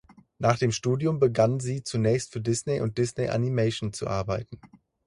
Nach dem Studium begann sie zunächst für Disney und Disney Animation zu arbeiten.